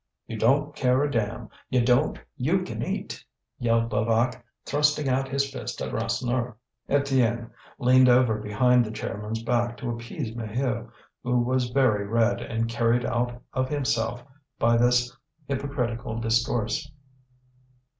"You don't care a damn, you don't! you can eat!" yelled Levaque, thrusting out his fist at Rasseneur. Étienne leaned over behind the chairman's back to appease Maheu, who was very red, and carried out of himself by this hypocritical discourse.